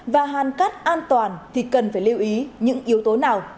và hàn cắt an toàn thì cần phải lưu ý những yếu tố nào